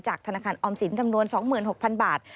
ธนาคารออมสินจำนวน๒๖๐๐๐บาท